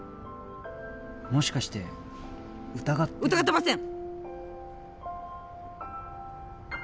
もしかして疑って疑ってません！